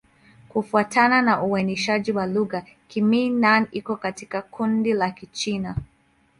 Kufuatana na uainishaji wa lugha, Kimin-Nan iko katika kundi la Kichina.